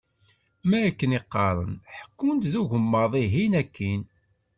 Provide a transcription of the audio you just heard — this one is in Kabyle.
Ma akken qqaren, ḥekkun deg ugemmaḍ-ihin akin.